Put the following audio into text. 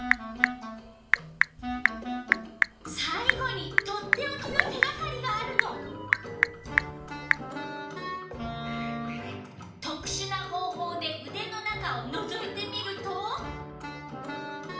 さいごに取っておきの手がかりがあるの。とくしゅな方ほうでうでの中をのぞいてみると。